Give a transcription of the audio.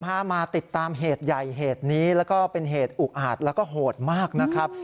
มาติดตามเหตุใหญ่เหตุนี้แล้วก็เป็นเหตุอุกอาจแล้วก็โหดมากนะครับ